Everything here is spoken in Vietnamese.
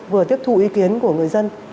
vừa tiếp thụ ý kiến của người dân